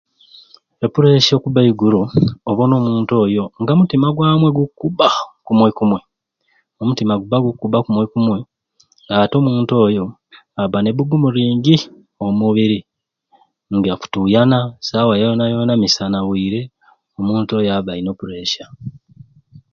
E pressure okuba eiguru obona omuntu oyo nga omutima gwamwei gukuba kumwei kumwei omutima guba gukuba kumwei kumwei nga ate omuntu oyo aba ne bugumu lingi omu mubiri nga akutuyana saawa yona yona misana bwire omuntu oyo aba ayina e pressure